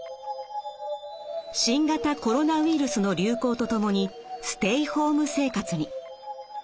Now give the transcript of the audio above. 新型コロナウイルスの流行とともにステイホーム生活に。